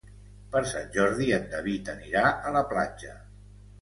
Per Sant Jordi en David anirà a la platja.